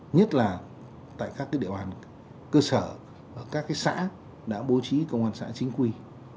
nhất là tại các địa bàn cơ sở các xã đã bố trí công an xã chính quy